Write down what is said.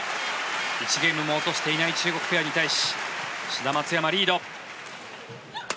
１ゲームも落としていない中国ペアに対し志田・松山、リード。